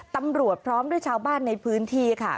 ตำรวจพร้อมด้วยชาวบ้านในพื้นที่ค่ะ